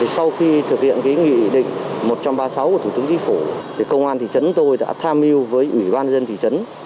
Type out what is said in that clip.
sau khi thực hiện nghị định một trăm ba mươi sáu của thủ tướng chính phủ công an thị trấn tôi đã tham mưu với ủy ban dân thị trấn